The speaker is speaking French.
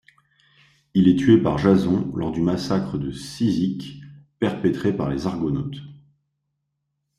Il est tué par Jason lors du massacre de Cyzique perpétré par les argonautes.